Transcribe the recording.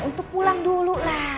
untuk pulang dulu lah